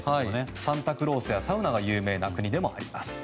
サンタクロースやサウナが有名な国でもあります。